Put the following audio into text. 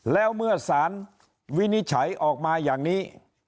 แล้วเมื่อสารวินิจฉัยออกมาอย่างนี้